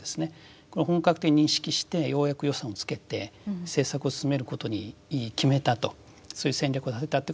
これ本格的に認識してようやく予算をつけて政策を進めることに決めたとそういう戦略を立てたと。